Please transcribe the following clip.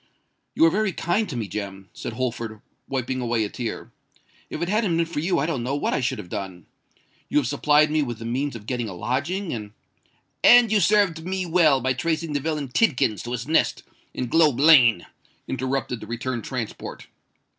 "You are very kind to me, Jem," said Holford, wiping away a tear. "If it hadn't been for you I don't know what I should have done. You have supplied me with the means of getting a lodging and——" "And you served me well by tracing the villain Tidkins to his nest in Globe Lane," interrupted the returned transport.